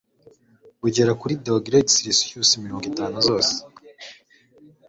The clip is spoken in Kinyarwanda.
bugera kuri dogere Selisiyusi mirongo itanu zose.